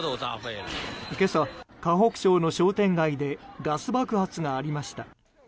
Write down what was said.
今朝、河北省の商店街でガス爆発がありました。